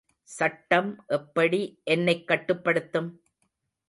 சட்டம் எப்படி என்னைக் கட்டுப்படுத்தும்?